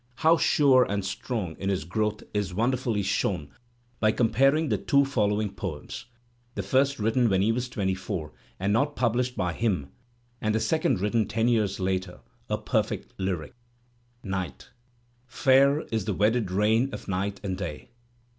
How sure and strong is his growth is wonder fully shown by comparing the two following poems, the first written when he was twenty four and not published by him, and the second written ten years later, a perfect lyric: NIGHT Fair is the wedded reign of Night and Day.